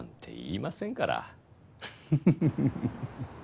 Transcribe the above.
フフフフ。